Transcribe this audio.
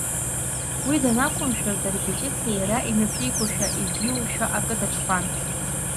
Уи данақәымшәоз, арепетициа иара имҩаԥигошәа, егьиушәа акы даҿқәан.